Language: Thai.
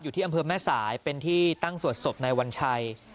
ที่อำเภอแม่สายเป็นที่ตั้งสวดศพนายวัญชัย